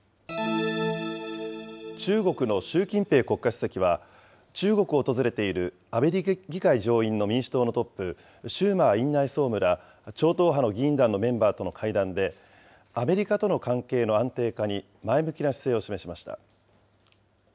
中国の習近平国家主席は、中国を訪れているアメリカ議会上院の民主党のトップ、シューマー院内総務ら、超党派の議員団のメンバーとの会談で、アメリカとの関係の安定化に前向きな姿勢を示しました。